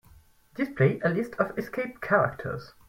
Display a list of escape characters.